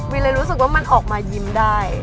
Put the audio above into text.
เลยรู้สึกว่ามันออกมายิ้มได้